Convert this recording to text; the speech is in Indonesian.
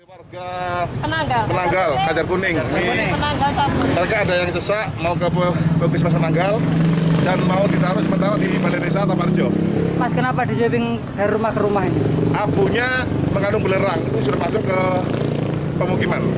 abunya mengandung belerang itu sudah masuk ke pemukiman